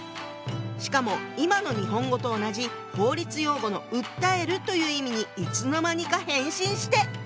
しかも今の日本語と同じ法律用語の「訴える」という意味にいつの間にか変身して！